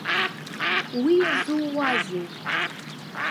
Уи иазууазеи.